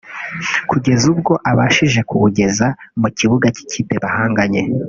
kugeza ubwo abashije kuwugeza mu kibuga cy’ikipe bahanganye